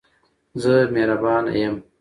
زه مهربانه یم.